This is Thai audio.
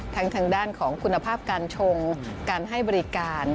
ทางด้านของคุณภาพการชงการให้บริการ